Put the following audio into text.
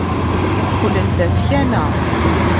Qqlent ɣer tkanna.